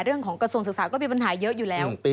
เรื่องของกระทรวงศึกษาก็มีปัญหาเยอะอยู่แล้ว